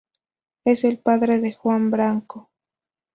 Es el padre de Juan Branco.